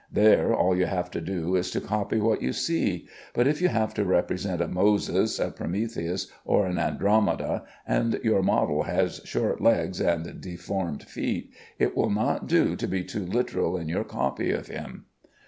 There all you have to do is to copy what you see, but if you have to represent a Moses, a Prometheus, or an Andromeda, and your model has short legs and deformed feet, it will not do to be too literal in your copy of him.